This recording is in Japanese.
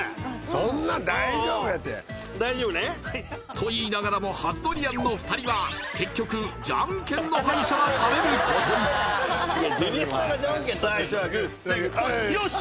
そんな大丈夫やてうんうん大丈夫ねと言いながらも初ドリアンの２人は結局じゃんけんの敗者が食べることに最初はグーじゃんけんぽいよし！